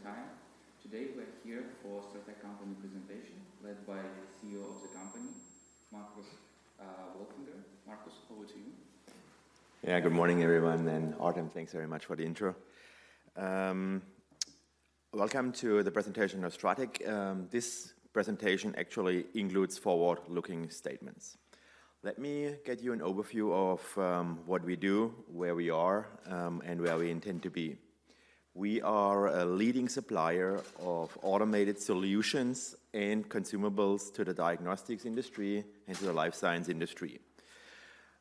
Good morning, everyone. Thank you for your time. Today, we're here for STRATEC company presentation, led by the CEO of the company, Marcus Wolfinger. Marcus, over to you. Yeah, good morning, everyone, and Artem, thanks very much for the intro. Welcome to the presentation of STRATEC. This presentation actually includes forward-looking statements. Let me get you an overview of what we do, where we are, and where we intend to be. We are a leading supplier of automated solutions and consumables to the diagnostics industry and to the life science industry.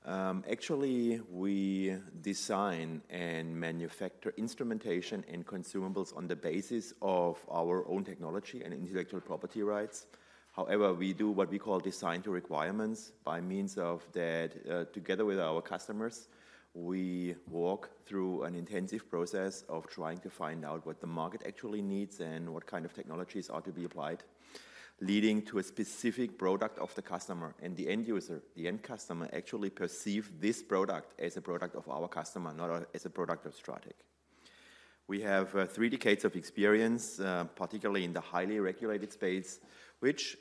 Actually, we design and manufacture instrumentation and consumables on the basis of our own technology and intellectual property rights. However, we do what we call design to requirements. By means of that, together with our customers, we walk through an intensive process of trying to find out what the market actually needs and what kind of technologies are to be applied, leading to a specific product of the customer and the end user. The end customer actually perceive this product as a product of our customer, not as a product of STRATEC. We have three decades of experience, particularly in the highly regulated space, which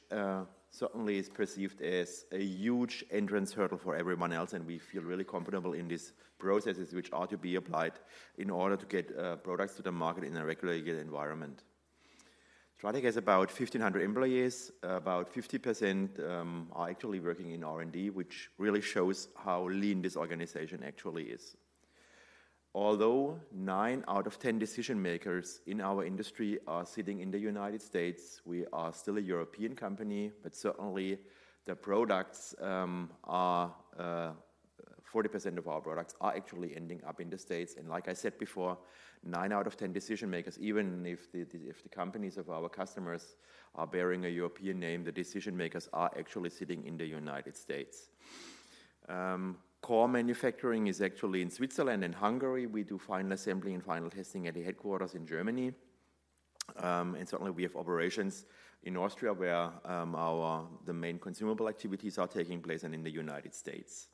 certainly is perceived as a huge entrance hurdle for everyone else, and we feel really comfortable in these processes, which are to be applied in order to get products to the market in a regulated environment. STRATEC has about 1,500 employees. About 50%, are actually working in R&D, which really shows how lean this organization actually is. Although nine out of ten decision-makers in our industry are sitting in the United States, we are still a European company, but certainly forty percent of our products are actually ending up in the States. Like I said before, nine out of ten decision-makers, even if the companies of our customers are bearing a European name, the decision-makers are actually sitting in the United States. Core manufacturing is actually in Switzerland and Hungary. We do final assembly and final testing at the headquarters in Germany. And certainly, we have operations in Austria, where our main consumable activities are taking place and in the United States.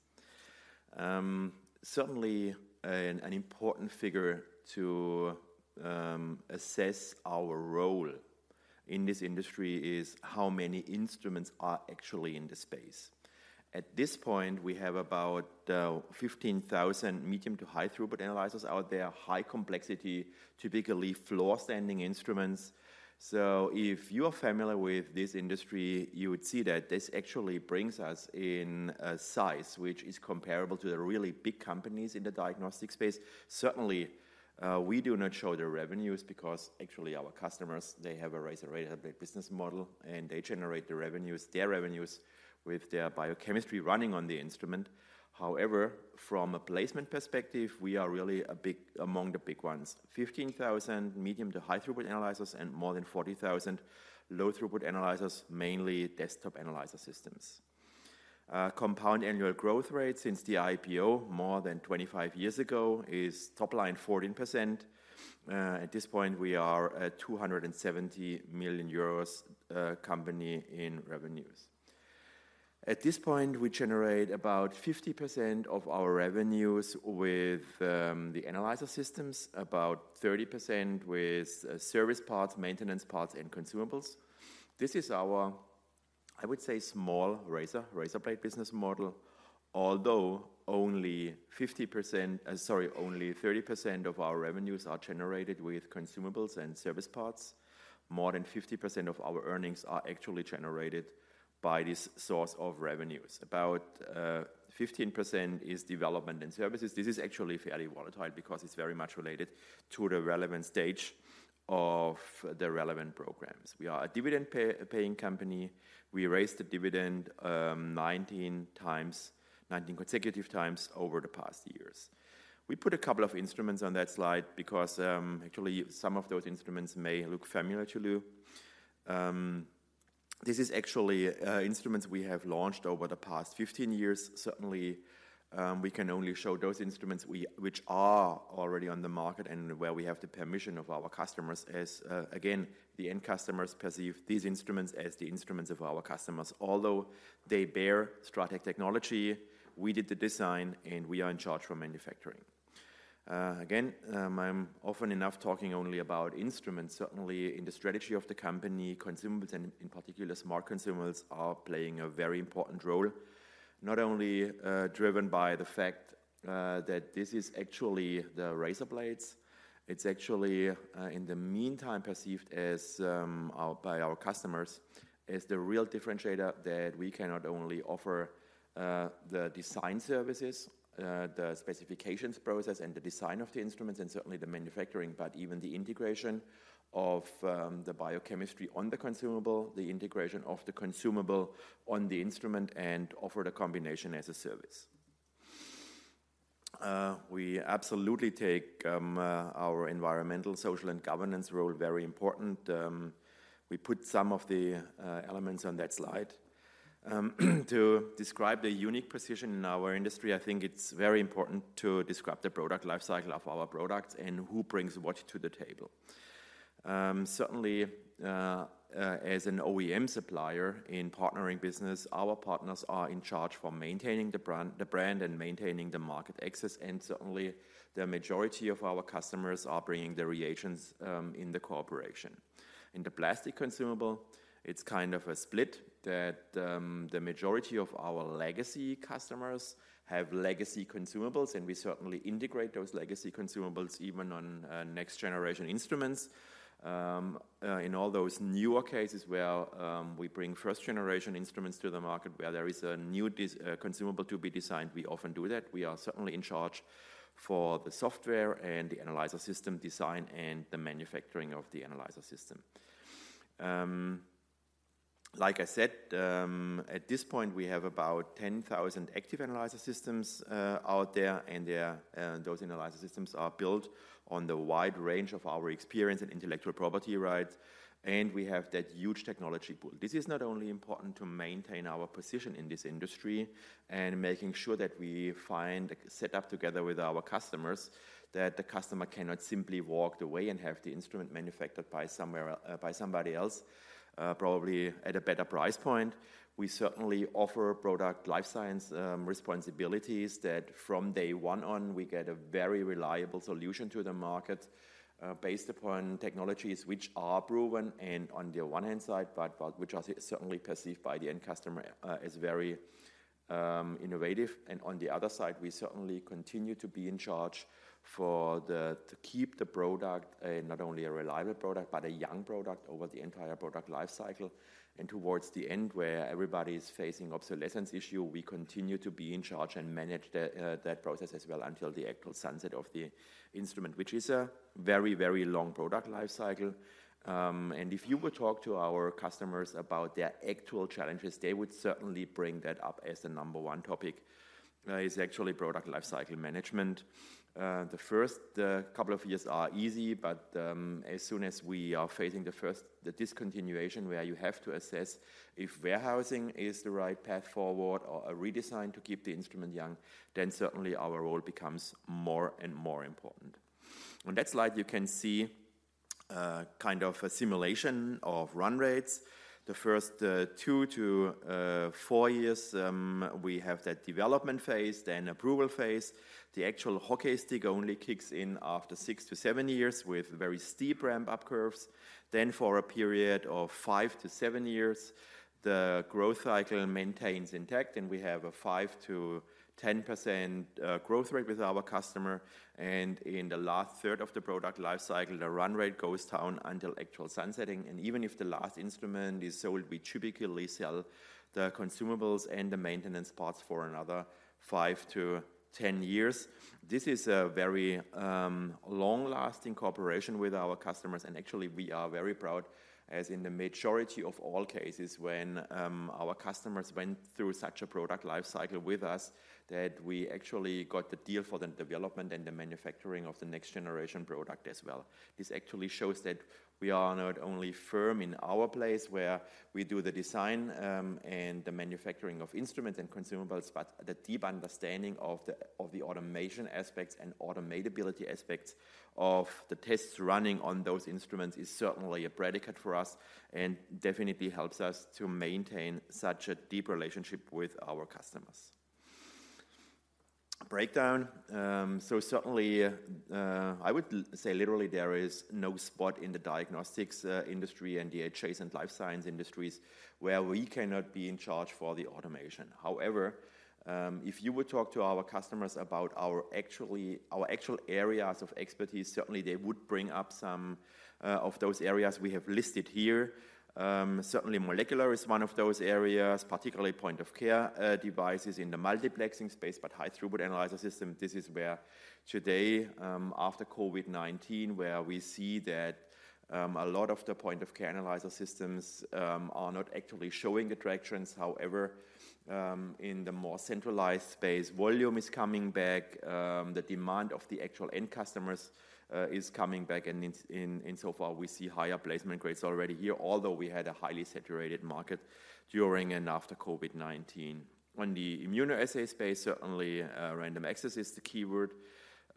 Certainly, an important figure to assess our role in this industry is how many instruments are actually in the space. At this point, we have about 15,000 medium to high-throughput analyzers out there, high complexity, typically floor-standing instruments. So if you are familiar with this industry, you would see that this actually brings us in a size which is comparable to the really big companies in the diagnostic space. Certainly, we do not show the revenues because actually our customers, they have a razor-razorblade business model, and they generate the revenues, their revenues, with their biochemistry running on the instrument. However, from a placement perspective, we are really a big among the big ones. 15,000 medium- to high-throughput analyzers and more than 40,000 low-throughput analyzers, mainly desktop analyzer systems. Compound annual growth rate since the IPO, more than 25 years ago, is top line 14%. At this point, we are a 270 million euros company in revenues. At this point, we generate about 50% of our revenues with the analyzer systems, about 30% with service parts, maintenance parts, and consumables. This is our, I would say, small razor, razorblade business model. Although only 50%, sorry, only 30% of our revenues are generated with consumables and service parts, more than 50% of our earnings are actually generated by this source of revenues. About 15% is development and services. This is actually fairly volatile because it's very much related to the relevant stage of the relevant programs. We are a dividend paying company. We raised the dividend 19 times, 19 consecutive times over the past years. We put a couple of instruments on that slide because actually some of those instruments may look familiar to you. This is actually instruments we have launched over the past 15 years. Certainly, we can only show those instruments which are already on the market and where we have the permission of our customers as, again, the end customers perceive these instruments as the instruments of our customers, although they bear STRATEC technology. We did the design, and we are in charge of manufacturing. Again, I'm often enough talking only about instruments. Certainly, in the strategy of the company, consumables, and in particular, smart consumables, are playing a very important role, not only driven by the fact that this is actually the razor blades. It's actually, in the meantime, perceived as by our customers as the real differentiator that we can not only offer the design services, the specifications process, and the design of the instruments, and certainly the manufacturing, but even the integration of the biochemistry on the consumable, the integration of the consumable on the instrument, and offer the combination as a service. We absolutely take our Environmental, Social, and Governance role very important. We put some of the elements on that slide. To describe the unique position in our industry, I think it's very important to describe the product lifecycle of our products and who brings what to the table. Certainly, as an OEM supplier in partnering business, our partners are in charge for maintaining the brand, the brand and maintaining the market access, and certainly, the majority of our customers are bringing the reagents in the cooperation. In the plastic consumable, it's kind of a split that the majority of our legacy customers have legacy consumables, and we certainly integrate those legacy consumables even on next-generation instruments. In all those newer cases where we bring first-generation instruments to the market, where there is a new consumable to be designed, we often do that. We are certainly in charge for the software and the analyzer system design and the manufacturing of the analyzer system. Like I said, at this point, we have about 10,000 active analyzer systems out there, and those analyzer systems are built on the wide range of our experience and intellectual property rights, and we have that huge technology pool. This is not only important to maintain our position in this industry and making sure that we find a setup together with our customers, that the customer cannot simply walk away and have the instrument manufactured by somewhere by somebody else, probably at a better price point. We certainly offer product life cycle responsibilities that from day one on, we get a very reliable solution to the market based upon technologies which are proven and on the one hand side, but which are certainly perceived by the end customer as very innovative. On the other side, we certainly continue to be in charge to keep the product not only a reliable product, but a young product over the entire product life cycle. Towards the end, where everybody is facing obsolescence issue, we continue to be in charge and manage the that process as well until the actual sunset of the instrument, which is a very, very long product life cycle. If you would talk to our customers about their actual challenges, they would certainly bring that up as the number one topic is actually product life cycle management. The first couple of years are easy, but as soon as we are facing the first discontinuation, where you have to assess if warehousing is the right path forward or a redesign to keep the instrument young, then certainly our role becomes more and more important. On that slide, you can see kind of a simulation of run rates. The first 2-4 years, we have that development phase, then approval phase. The actual hockey stick only kicks in after 6-7 years with very steep ramp-up curves. Then for a period of 5-7 years, the growth cycle maintains intact, and we have a 5%-10% growth rate with our customer. In the last third of the product life cycle, the run rate goes down until actual sunsetting. Even if the last instrument is sold, we typically sell the consumables and the maintenance parts for another 5-10 years. This is a very long-lasting cooperation with our customers, and actually, we are very proud, as in the majority of all cases when our customers went through such a product life cycle with us, that we actually got the deal for the development and the manufacturing of the next generation product as well. This actually shows that we are not only firm in our place, where we do the design and the manufacturing of instruments and consumables, but the deep understanding of the automation aspects and automatability aspects of the tests running on those instruments is certainly a predicate for us and definitely helps us to maintain such a deep relationship with our customers. Breakdown. So certainly, I would say literally there is no spot in the diagnostics industry and the adjacent life science industries where we cannot be in charge for the automation. However, if you would talk to our customers about our actually, our actual areas of expertise, certainly they would bring up some of those areas we have listed here. Certainly molecular is one of those areas, particularly point-of-care devices in the multiplexing space, but high-throughput analyzer system, this is where today, after COVID-19, where we see that a lot of the point-of-care analyzer systems are not actually showing the trends. However, in the more centralized space, volume is coming back, the demand of the actual end customers is coming back, and in so far, we see higher placement rates already here, although we had a highly saturated market during and after COVID-19. On the immunoassay space, certainly, random access is the keyword,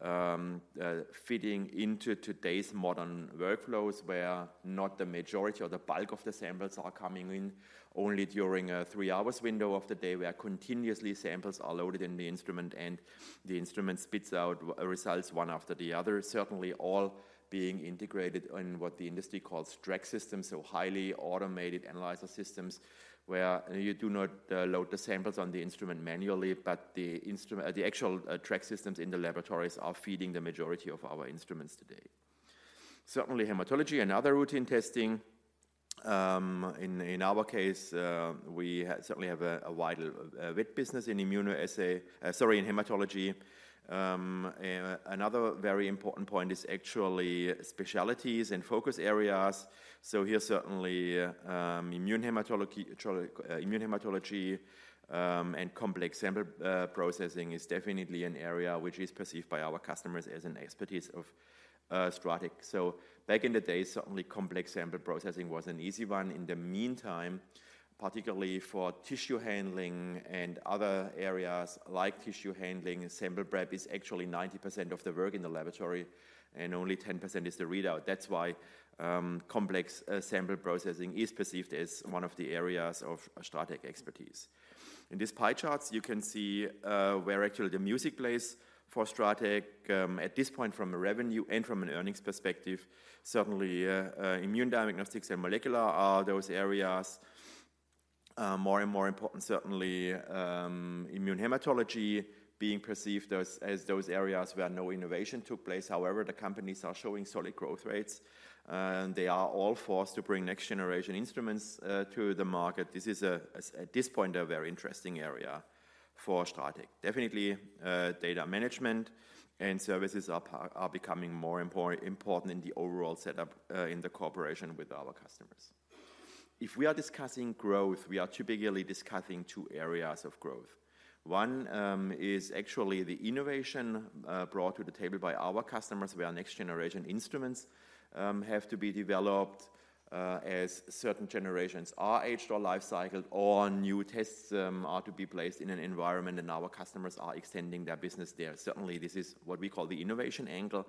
fitting into today's modern workflows, where not the majority or the bulk of the samples are coming in only during a three-hour window of the day, where continuously samples are loaded in the instrument, and the instrument spits out results, one after the other. Certainly, all being integrated in what the industry calls track systems, so highly automated analyzer systems, where you do not load the samples on the instrument manually, but the instrument, the actual track systems in the laboratories are feeding the majority of our instruments today. Certainly, hematology and other routine testing, in our case, we certainly have a worldwide business in immunoassay, sorry, in hematology. Another very important point is actually specialties and focus areas. So here, certainly, immunehematology, hematology, immunehematology, and complex sample processing is definitely an area which is perceived by our customers as an expertise of STRATEC. So back in the day, certainly, complex sample processing was an easy one. In the meantime, particularly for tissue handling and other areas like tissue handling, sample prep is actually 90% of the work in the laboratory and only 10% is the readout. That's why complex sample processing is perceived as one of the areas of STRATEC expertise. In this pie charts, you can see where actually the music plays for STRATEC at this point from a revenue and from an earnings perspective. Certainly immunediagnostics and molecular are those areas more and more important, certainly immunehematology being perceived as those areas where no innovation took place. However, the companies are showing solid growth rates, and they are all forced to bring next-generation instruments to the market. This is at this point a very interesting area for STRATEC. Definitely, data management and services are becoming more important in the overall setup, in the cooperation with our customers. If we are discussing growth, we are typically discussing two areas of growth. One, is actually the innovation, brought to the table by our customers, where our next-generation instruments, have to be developed, as certain generations are aged or lifecycled, or new tests, are to be placed in an environment, and our customers are extending their business there. Certainly, this is what we call the innovation angle,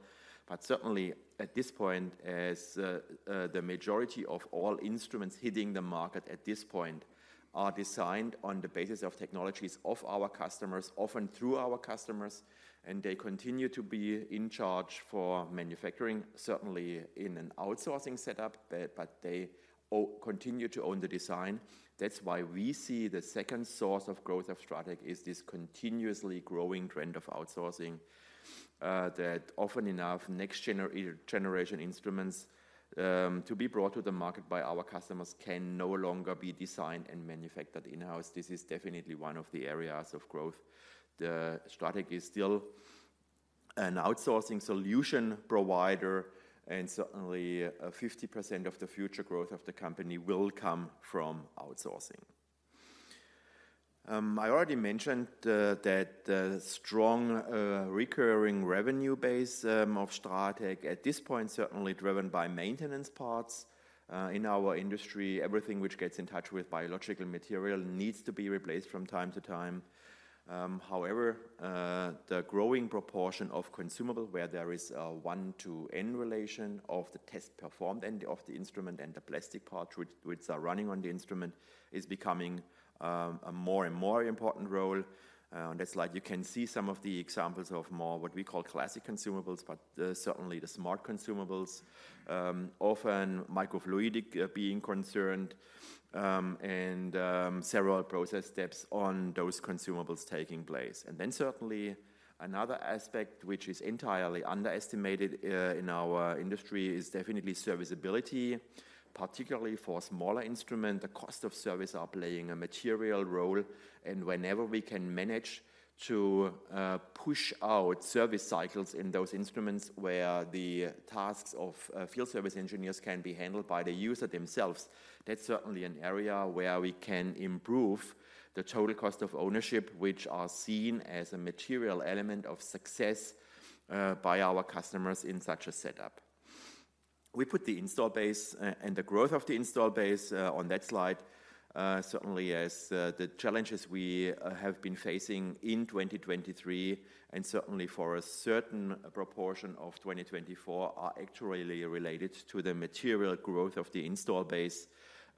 but certainly at this point, as the majority of all instruments hitting the market at this point are designed on the basis of technologies of our customers, often through our customers, and they continue to be in charge for manufacturing, certainly in an outsourcing setup, but they continue to own the design. That's why we see the second source of growth of STRATEC is this continuously growing trend of outsourcing, that often enough next generation instruments to be brought to the market by our customers can no longer be designed and manufactured in-house. This is definitely one of the areas of growth. The STRATEC is still an outsourcing solution provider, and certainly, 50% of the future growth of the company will come from outsourcing. I already mentioned that strong recurring revenue base of STRATEC at this point, certainly driven by maintenance parts. In our industry, everything which gets in touch with biological material needs to be replaced from time to time. However, the growing proportion of consumable, where there is a one-to-end relation of the test performed and of the instrument and the plastic part which are running on the instrument, is becoming a more and more important role. On this slide, you can see some of the examples of more what we call classic consumables, but certainly the smart consumables, often microfluidic being concerned, and several process steps on those consumables taking place. And then certainly another aspect which is entirely underestimated in our industry is definitely serviceability, particularly for smaller instrument. The cost of service are playing a material role, and whenever we can manage to push out service cycles in those instruments where the tasks of field service engineers can be handled by the user themselves, that's certainly an area where we can improve the total cost of ownership, which are seen as a material element of success by our customers in such a setup. We put the install base and the growth of the install base on that slide. Certainly as the challenges we have been facing in 2023, and certainly for a certain proportion of 2024, are actually related to the material growth of the install base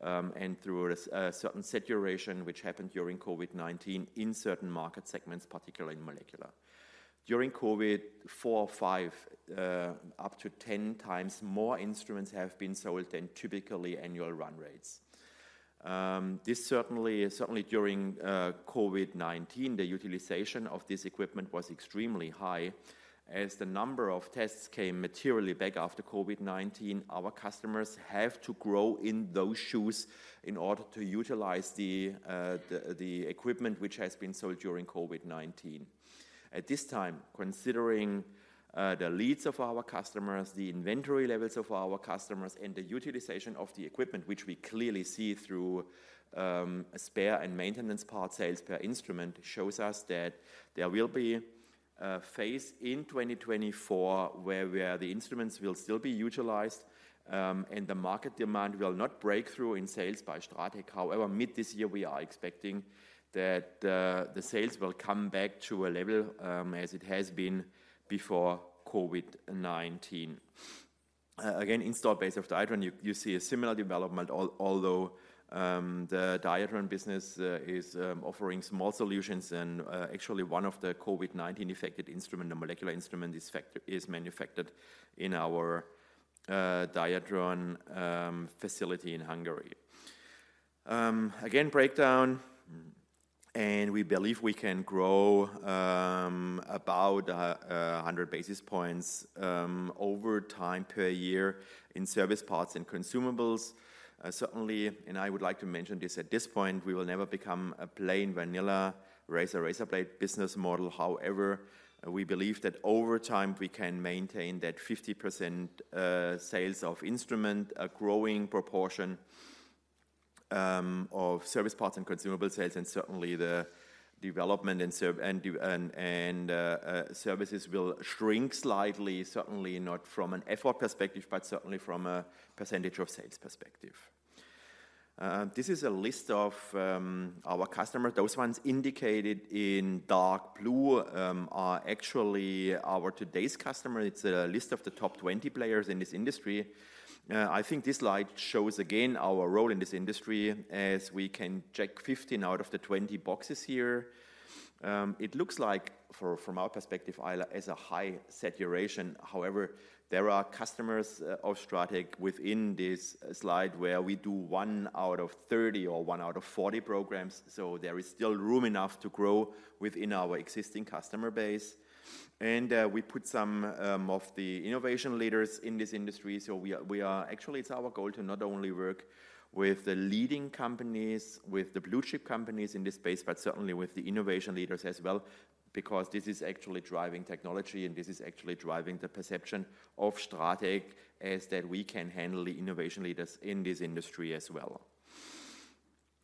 and through a certain saturation which happened during COVID-19 in certain market segments, particularly in molecular. During COVID, 4, 5, up to 10 times more instruments have been sold than typically annual run rates. This certainly, certainly during COVID-19, the utilization of this equipment was extremely high. As the number of tests came materially back after COVID-19, our customers have to grow in those shoes in order to utilize the equipment which has been sold during COVID-19. At this time, considering the leads of our customers, the inventory levels of our customers, and the utilization of the equipment, which we clearly see through spare and maintenance part sales per instrument, shows us that there will be a phase in 2024 where the instruments will still be utilized, and the market demand will not break through in sales by STRATEC. However, mid this year, we are expecting that the sales will come back to a level as it has been before COVID-19. Again, installed base of Diatron, you, you see a similar development, although the Diatron business is offering small solutions and actually one of the COVID-19 affected instruments, a molecular instrument, is manufactured in our Diatron facility in Hungary. Again, breakdown, and we believe we can grow about 100 basis points over time per year in service parts and consumables. Certainly, and I would like to mention this at this point, we will never become a plain vanilla razor-razor blade business model. However, we believe that over time, we can maintain that 50% sales of instrument, a growing proportion of service parts and consumable sales, and certainly the development and services will shrink slightly, certainly not from an effort perspective, but certainly from a percentage of sales perspective. This is a list of our customers. Those ones indicated in dark blue are actually our today's customer. It's a list of the top 20 players in this industry. I think this slide shows again our role in this industry as we can check 15 out of the 20 boxes here. It looks like for, from our perspective, as a high saturation. However, there are customers of STRATEC within this slide where we do one out of 30 or one out of 40 programs, so there is still room enough to grow within our existing customer base. We put some of the innovation leaders in this industry. So actually, it's our goal to not only work with the leading companies, with the blue-chip companies in this space, but certainly with the innovation leaders as well, because this is actually driving technology, and this is actually driving the perception of STRATEC, as that we can handle the innovation leaders in this industry as well.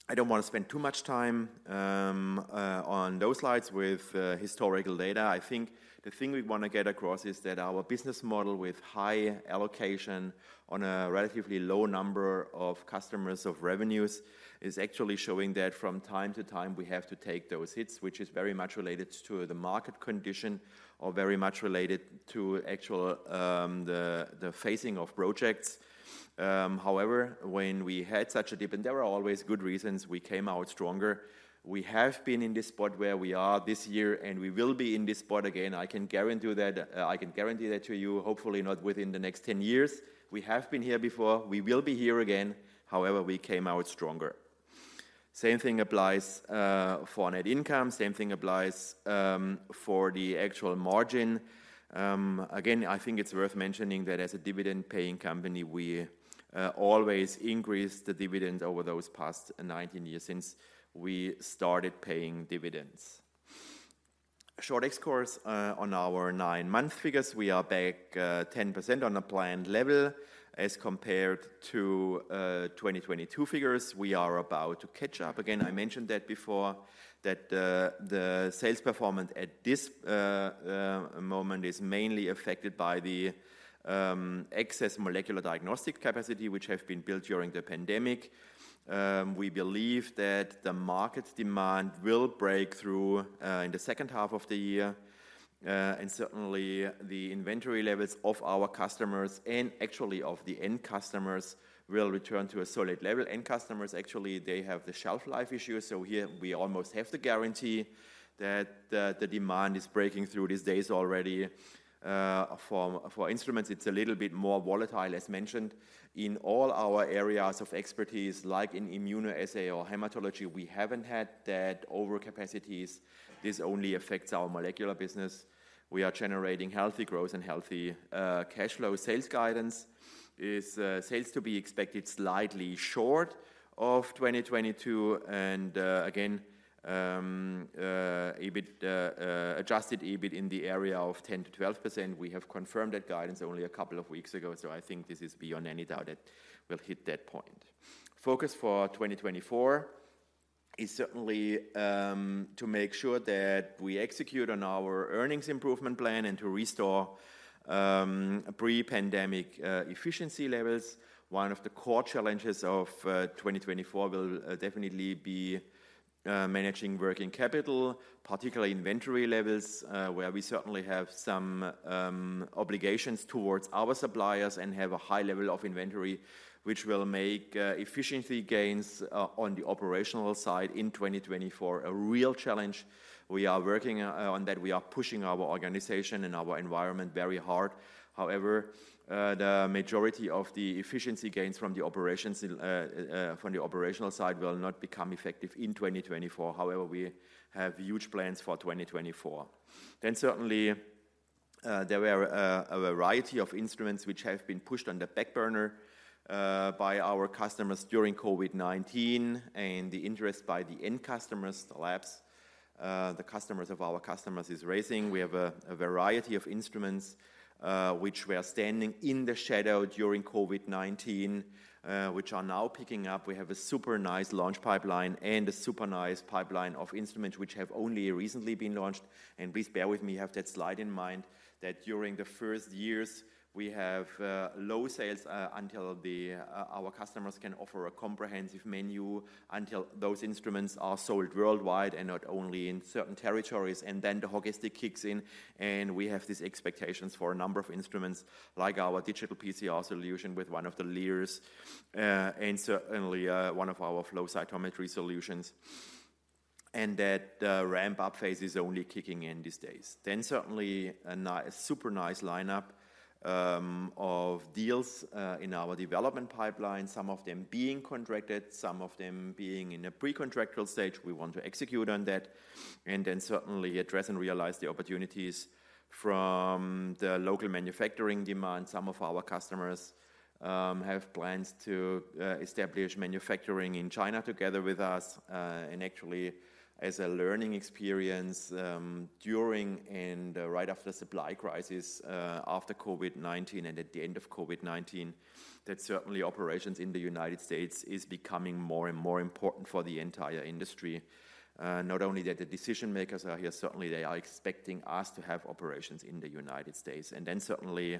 I don't want to spend too much time on those slides with historical data. I think the thing we wanna get across is that our business model with high allocation on a relatively low number of customers of revenues, is actually showing that from time to time, we have to take those hits, which is very much related to the market condition or very much related to actual, the phasing of projects. However, when we had such a dip, and there were always good reasons, we came out stronger. We have been in this spot where we are this year, and we will be in this spot again. I can guarantee you that, I can guarantee that to you, hopefully not within the next ten years. We have been here before. We will be here again. However, we came out stronger. Same thing applies, for net income. Same thing applies, for the actual margin. Again, I think it's worth mentioning that as a dividend-paying company, we always increase the dividend over those past 19 years since we started paying dividends. Short course on our 9-month figures, we are back 10% on a planned level as compared to 2022 figures. We are about to catch up. Again, I mentioned that before, that the sales performance at this moment is mainly affected by the excess molecular diagnostic capacity, which have been built during the pandemic. We believe that the market demand will break through in the second half of the year, and certainly, the inventory levels of our customers and actually of the end customers, will return to a solid level. End customers, actually, they have the shelf life issue, so here we almost have the guarantee that the demand is breaking through these days already. For instruments, it's a little bit more volatile, as mentioned. In all our areas of expertise, like in immunoassay or hematology, we haven't had that overcapacities. This only affects our molecular business. We are generating healthy growth and healthy cash flow. Sales guidance is sales to be expected slightly short of 2022 and, again, adjusted EBIT in the area of 10%-12%. We have confirmed that guidance only a couple of weeks ago, so I think this is beyond any doubt that we'll hit that point. Focus for 2024 is certainly to make sure that we execute on our earnings improvement plan and to restore pre-pandemic efficiency levels. One of the core challenges of 2024 will definitely be managing working capital, particularly inventory levels, where we certainly have some obligations towards our suppliers and have a high level of inventory, which will make efficiency gains on the operational side in 2024 a real challenge. We are working on that. We are pushing our organization and our environment very hard. However, the majority of the efficiency gains from the operations from the operational side will not become effective in 2024. However, we have huge plans for 2024. Then certainly, there were a variety of instruments which have been pushed on the back burner by our customers during COVID-19, and the interest by the end customers, the labs, the customers of our customers, is rising. We have a variety of instruments which were standing in the shadow during COVID-19 which are now picking up. We have a super nice launch pipeline and a super nice pipeline of instruments which have only recently been launched. And please bear with me, have that slide in mind, that during the first years, we have low sales until our customers can offer a comprehensive menu, until those instruments are sold worldwide and not only in certain territories. And then the hockey stick kicks in, and we have these expectations for a number of instruments, like our digital PCR solution with one of the leaders, and certainly one of our flow cytometry solutions, and that the ramp-up phase is only kicking in these days. Then certainly a super nice lineup of deals in our development pipeline, some of them being contracted, some of them being in a pre-contractual stage. We want to execute on that and then certainly address and realize the opportunities from the local manufacturing demand. Some of our customers have plans to establish manufacturing in China together with us, and actually, as a learning experience, during and right after the supply crisis, after COVID-19 and at the end of COVID-19, that certainly operations in the United States is becoming more and more important for the entire industry. Not only that the decision makers are here, certainly they are expecting us to have operations in the United States. And then certainly,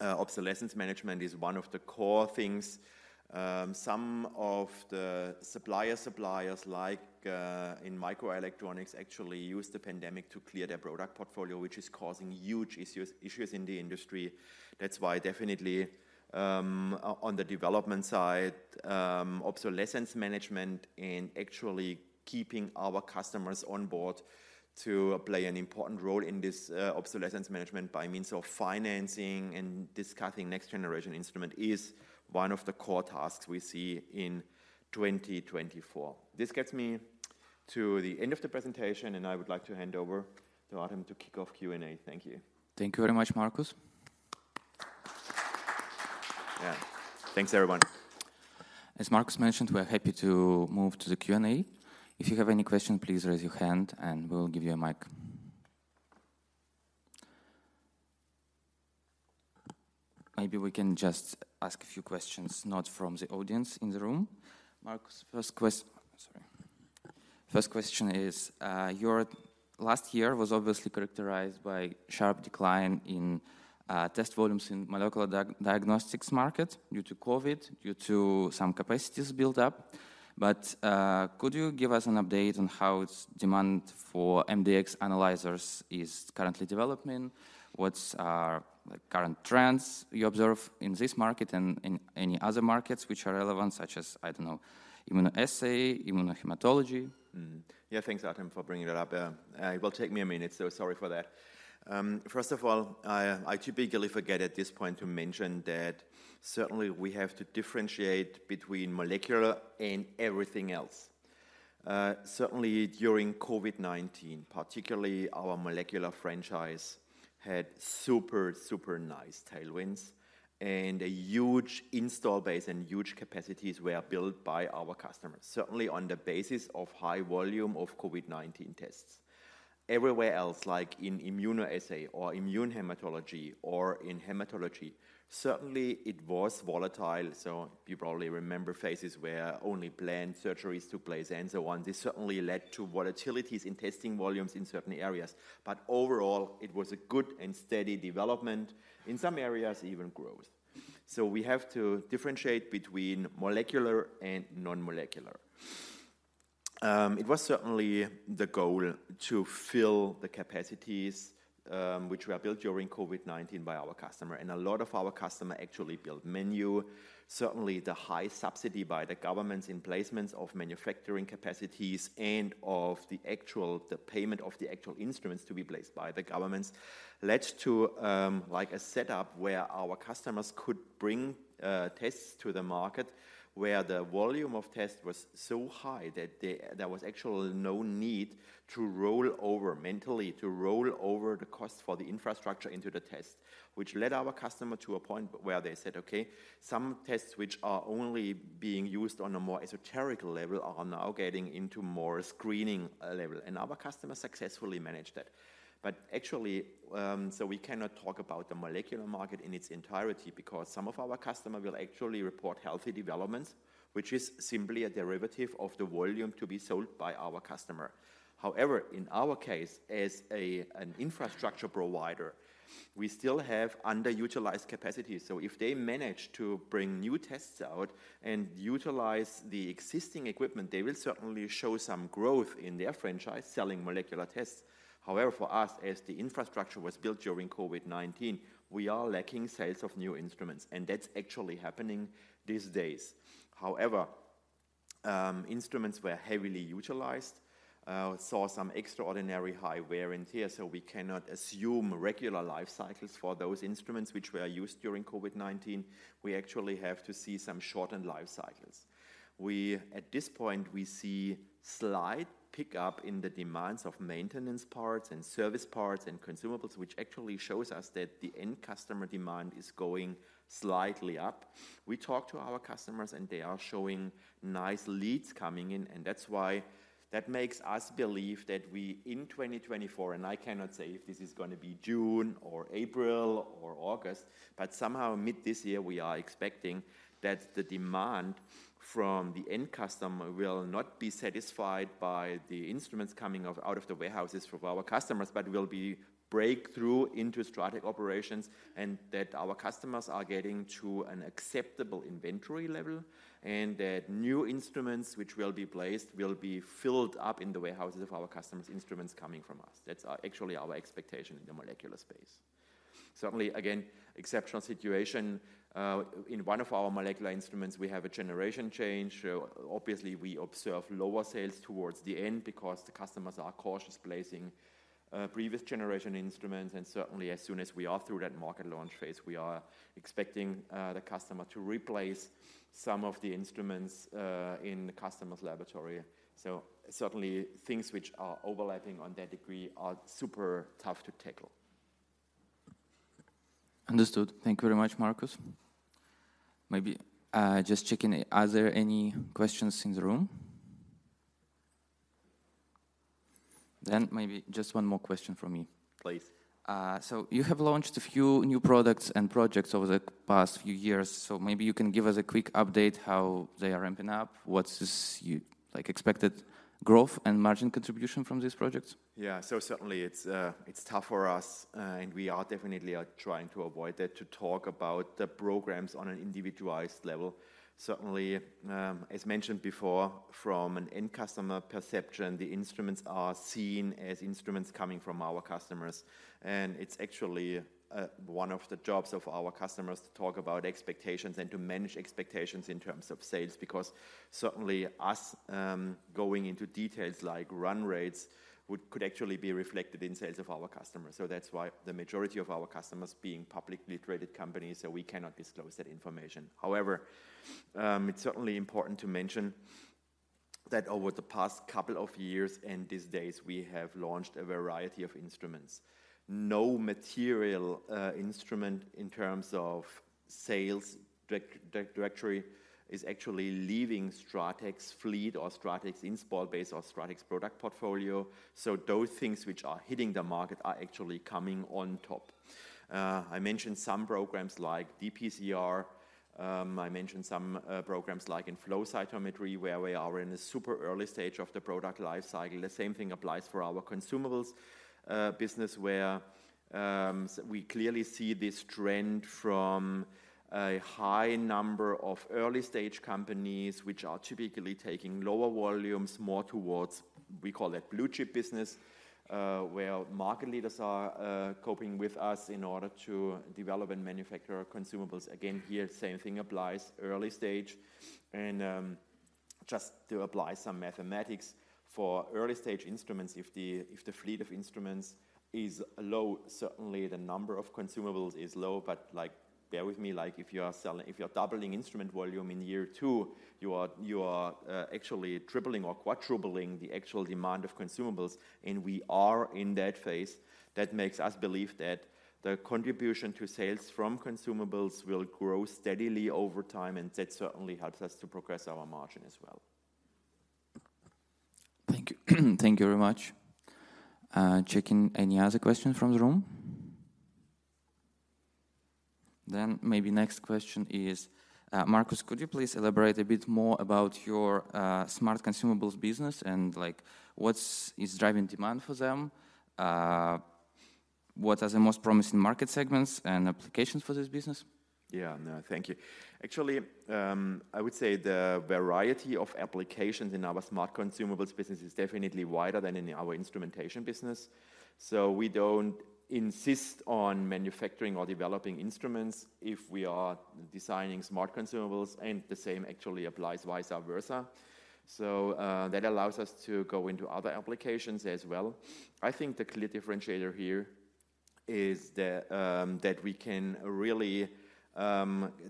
obsolescence management is one of the core things. Some of the suppliers, like, in microelectronics, actually used the pandemic to clear their product portfolio, which is causing huge issues, issues in the industry. That's why definitely, on the development side, obsolescence management and actually keeping our customers on board to play an important role in this, obsolescence management by means of financing and discussing next generation instrument, is one of the core tasks we see in 2024. This gets me to the end of the presentation, and I would like to hand over to Artem to kick off Q&A. Thank you. Thank you very much, Marcus. Yeah. Thanks, everyone. As Marcus mentioned, we're happy to move to the Q&A. If you have any question, please raise your hand, and we'll give you a mic. Maybe we can just ask a few questions, not from the audience in the room. Marcus, first question is, your last year was obviously characterized by sharp decline in test volumes in molecular diagnostics market due to COVID, due to some capacities built up. But, could you give us an update on how its demand for MDx analyzers is currently developing? What are the current trends you observe in this market and in any other markets which are relevant, such as, I don't know, immunoassay, immunohematology? Mm-hmm. Yeah, thanks, Artem, for bringing that up. It will take me a minute, so sorry for that. First of all, I typically forget at this point to mention that certainly we have to differentiate between molecular and everything else. Certainly during COVID-19, particularly our molecular franchise had super, super nice tailwinds, and a huge install base and huge capacities were built by our customers, certainly on the basis of high volume of COVID-19 tests. Everywhere else, like in immunoassay or immunohematology or in hematology, certainly it was volatile. So you probably remember phases where only planned surgeries took place and so on. This certainly led to volatilities in testing volumes in certain areas, but overall, it was a good and steady development, in some areas, even growth. So we have to differentiate between molecular and non-molecular. It was certainly the goal to fill the capacities, which were built during COVID-19 by our customer, and a lot of our customer actually built many. Certainly, the high subsidy by the governments in placements of manufacturing capacities and of the actual payment of the actual instruments to be placed by the governments led to like a setup where our customers could bring tests to the market, where the volume of test was so high that there, there was actually no need to roll over, eventually, to roll over the cost for the infrastructure into the test. Which led our customer to a point where they said, "Okay, some tests which are only being used on a more esoteric level are now getting into more screening level." And our customer successfully managed that. But actually, so we cannot talk about the molecular market in its entirety because some of our customer will actually report healthy developments, which is simply a derivative of the volume to be sold by our customer. However, in our case, as an infrastructure provider, we still have underutilized capacity. So if they manage to bring new tests out and utilize the existing equipment, they will certainly show some growth in their franchise selling molecular tests. However, for us, as the infrastructure was built during COVID-19, we are lacking sales of new instruments, and that's actually happening these days. However, instruments were heavily utilized, saw some extraordinary high wear and tear, so we cannot assume regular life cycles for those instruments which were used during COVID-19. We actually have to see some shortened life cycles. At this point, we see slight pick-up in the demands of maintenance parts and service parts and consumables, which actually shows us that the end customer demand is going slightly up. We talk to our customers, and they are showing nice leads coming in, and that's why that makes us believe that we, in 2024, and I cannot say if this is gonna be June or April or August, but somehow mid this year, we are expecting that the demand from the end customer will not be satisfied by the instruments coming out of the warehouses from our customers, but will be breakthrough into strategic operations, and that our customers are getting to an acceptable inventory level, and that new instruments which will be placed will be filled up in the warehouses of our customers, instruments coming from us. That's, actually our expectation in the molecular space. Certainly, again, exceptional situation. In one of our molecular instruments, we have a generation change, so obviously, we observe lower sales towards the end because the customers are cautious placing, previous generation instruments. And certainly, as soon as we are through that market launch phase, we are expecting, the customer to replace some of the instruments, in the customer's laboratory. So certainly, things which are overlapping on that degree are super tough to tackle. Understood. Thank you very much, Marcus. Maybe, just checking, are there any questions in the room? Then maybe just one more question from me. Please. So you have launched a few new products and projects over the past few years, so maybe you can give us a quick update how they are ramping up. What's this you, like, expected growth and margin contribution from these projects? Yeah. So certainly, it's tough for us, and we are definitely trying to avoid that, to talk about the programs on an individualized level. Certainly, as mentioned before, from an end customer perception, the instruments are seen as instruments coming from our customers, and it's actually one of the jobs of our customers to talk about expectations and to manage expectations in terms of sales. Because certainly us going into details like run rates could actually be reflected in sales of our customers. So that's why the majority of our customers being publicly traded companies, so we cannot disclose that information. However, it's certainly important to mention that over the past couple of years and these days, we have launched a variety of instruments. No material, instrument in terms of sales directory is actually leaving STRATEC's fleet or STRATEC's install base or STRATEC's product portfolio. So those things which are hitting the market are actually coming on top. I mentioned some programs like dPCR. I mentioned some programs like in flow cytometry, where we are in a super early stage of the product life cycle. The same thing applies for our consumables business, where we clearly see this trend from a high number of early-stage companies, which are typically taking lower volumes, more towards we call it blue-chip business, where market leaders are coping with us in order to develop and manufacture consumables. Again, here, same thing applies, early stage. Just to apply some mathematics, for early-stage instruments, if the fleet of instruments is low, certainly the number of consumables is low, but like, bear with me, like if you are selling, if you are doubling instrument volume in year two, you are actually tripling or quadrupling the actual demand of consumables, and we are in that phase. That makes us believe that the contribution to sales from consumables will grow steadily over time, and that certainly helps us to progress our margin as well. Thank you. Thank you very much. Checking any other questions from the room? Then maybe next question is, Marcus, could you please elaborate a bit more about your smart consumables business, and like, what is driving demand for them? What are the most promising market segments and applications for this business? Yeah, no, thank you. Actually, I would say the variety of applications in our smart consumables business is definitely wider than in our instrumentation business. So we don't insist on manufacturing or developing instruments if we are designing smart consumables, and the same actually applies vice versa. So that allows us to go into other applications as well. I think the clear differentiator here is that we can really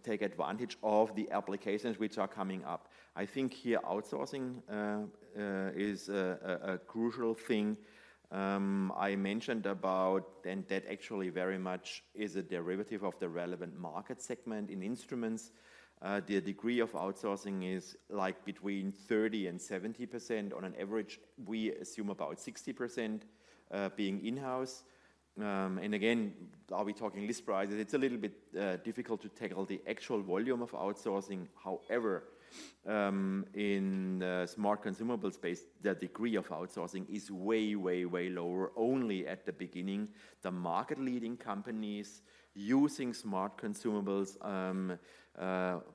take advantage of the applications which are coming up. I think here outsourcing is a crucial thing. I mentioned about, and that actually very much is a derivative of the relevant market segment in instruments. The degree of outsourcing is like between 30% and 70%. On an average, we assume about 60% being in-house. And again, are we talking list prices? It's a little bit difficult to tackle the actual volume of outsourcing. However, in the smart consumable space, the degree of outsourcing is way, way, way lower, only at the beginning. The market-leading companies using smart consumables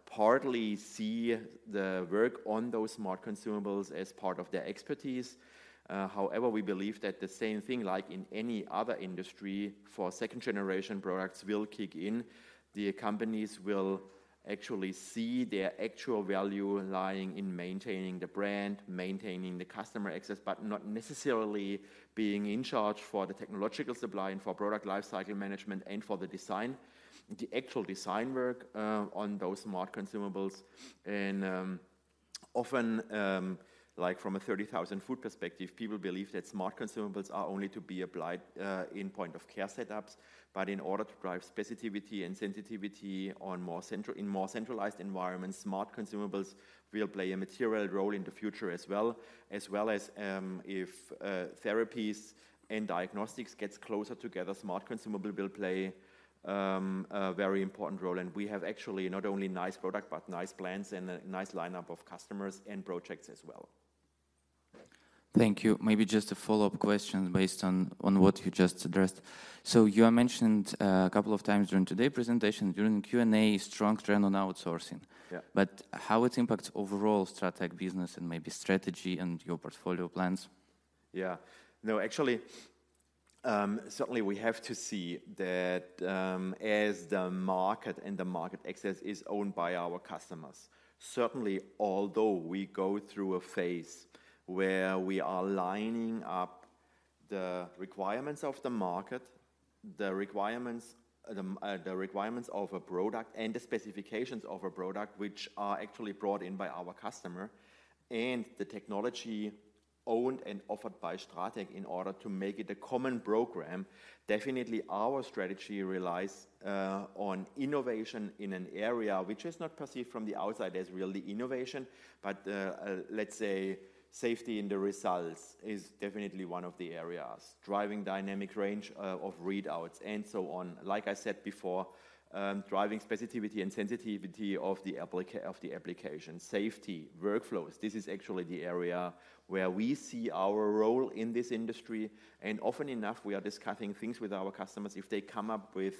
partly see the work on those smart consumables as part of their expertise. However, we believe that the same thing, like in any other industry for second-generation products, will kick in. The companies will actually see their actual value lying in maintaining the brand, maintaining the customer access, but not necessarily being in charge for the technological supply and for product lifecycle management and for the design, the actual design work on those smart consumables. And often, like from a 30,000-foot perspective, people believe that smart consumables are only to be applied in point-of-care setups. In order to drive specificity and sensitivity on more central, in more centralized environments, smart consumables will play a material role in the future as well. As well as, if therapies and diagnostics gets closer together, smart consumable will play a very important role. We have actually not only nice product, but nice plans and a nice lineup of customers and projects as well. Thank you. Maybe just a follow-up question based on what you just addressed. So you are mentioned a couple of times during today's presentation, during the Q&A, strong trend on outsourcing. Yeah. But how it impacts overall STRATEC business and maybe strategy and your portfolio plans? Yeah. No, actually, certainly we have to see that, as the market and the market access is owned by our customers. Certainly, although we go through a phase where we are lining up the requirements of the market, the requirements, the requirements of a product and the specifications of a product, which are actually brought in by our customer, and the technology owned and offered by STRATEC in order to make it a common program, definitely our strategy relies, on innovation in an area which is not perceived from the outside as really innovation, but, let's say safety in the results is definitely one of the areas. Driving dynamic range, of readouts and so on. Like I said before, driving specificity and sensitivity of the application, safety, workflows, this is actually the area where we see our role in this industry, and often enough, we are discussing things with our customers. If they come up with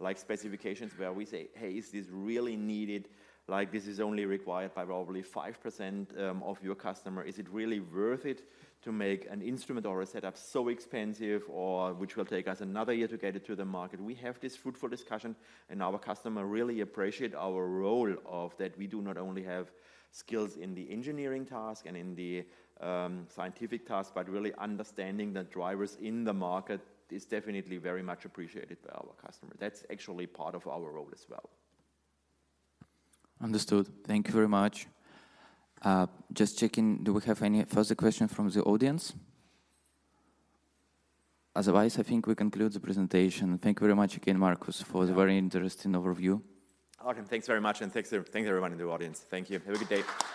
like specifications where we say, "Hey, is this really needed? Like, this is only required by probably 5% of your customer. Is it really worth it to make an instrument or a setup so expensive, or which will take us another year to get it to the market?" We have this fruitful discussion, and our customer really appreciate our role of that. We do not only have skills in the engineering task and in the scientific task, but really understanding the drivers in the market is definitely very much appreciated by our customer. That's actually part of our role as well. Understood. Thank you very much. Just checking, do we have any further question from the audience? Otherwise, I think we conclude the presentation. Thank you very much again, Marcus, for the very interesting overview. Artem, thanks very much, and thanks, thanks, everyone in the audience. Thank you. Have a good day.